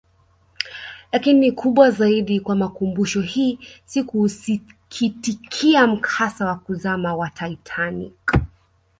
Lakini kubwa zaidi kwa makumbusho hii si kuusikitikia mkasa wa kuzama wa Titanic